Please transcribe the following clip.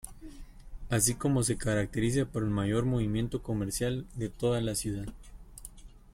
Así como se caracteriza por el mayor movimiento comercial de toda la ciudad.